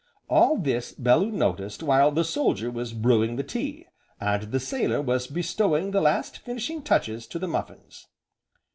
All this Bellew noticed while the soldier was brewing the tea, and the sailor was bestowing the last finishing touches to the muffins.